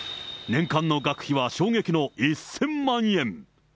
年間の学費は衝撃の１０００万円。